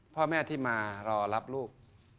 พ่อแม่ที่มารอรับลูก